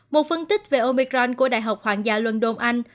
một phân tích về omicron của đại học hoàng gia london anh